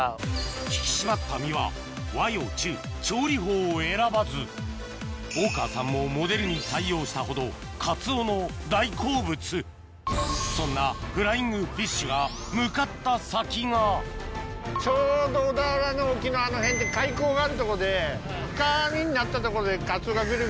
引き締まった身は和洋中調理法を選ばず大川さんもモデルに採用したほどそんなフライングフィッシュが向かった先がちょうど小田原の沖のあの辺って海溝があるとこで。